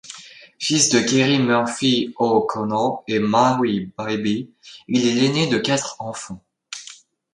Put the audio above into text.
Fils de Kerry Murphy-O’Connor et Mary Bybee, il est l'aîné de quatre enfants.